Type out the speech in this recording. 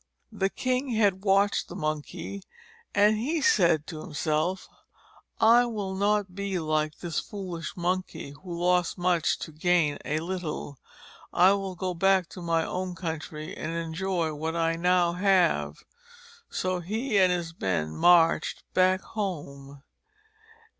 The king had watched the Monkey, and he said to himself: "I will not be like this foolish Monkey, who lost much to gain a little. I will go back to my own country and enjoy what I now have." So he and his men marched back home.